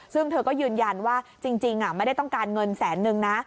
ซึ่งเธอก็ยืนยันว่าจริงไม่ได้ต้องการเงินแสนนึงนะ